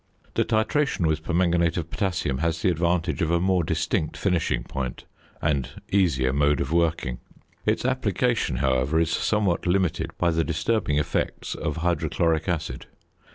The titration with permanganate of potassium has the advantage of a more distinct finishing point and easier mode of working; its application, however, is somewhat limited by the disturbing effects of hydrochloric acid.